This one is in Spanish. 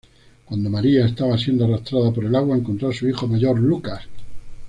Cuando María estaba siendo arrastrada por el agua encontró a su hijo mayor Lucas.